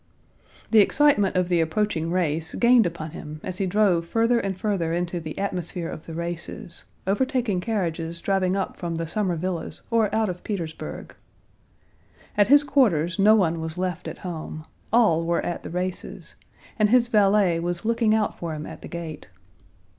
The excitement of the approaching race gained upon him as he drove further and further into the atmosphere of the races, overtaking carriages driving up from the summer villas or out of Petersburg. At his quarters no one was left at home; all were at the races, and his valet was looking out for him at the gate.